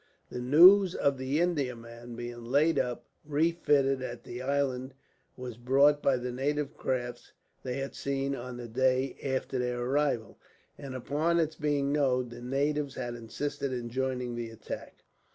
The news of the Indiaman being laid up, refitting at the island, was brought by the native craft they had seen on the day after their arrival; and upon its being known, the natives had insisted in joining in the attack.